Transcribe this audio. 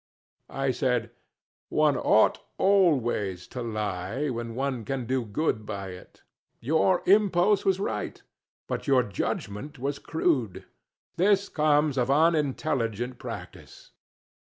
I said, "One ought always to lie, when one can do good by it; your impulse was right, but your judgment was crude; this comes of unintelligent practice.